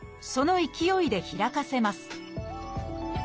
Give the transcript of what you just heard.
その勢いで開かせます